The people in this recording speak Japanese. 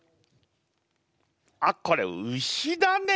あっこれ牛だね。